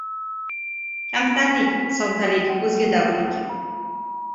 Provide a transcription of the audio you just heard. Kamtarlik, soddalik o‘zga davrniki.